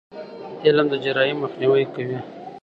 علم د جرایمو مخنیوی کوي.